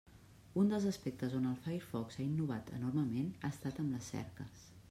Un dels aspectes on el Firefox ha innovat enormement ha estat amb les cerques.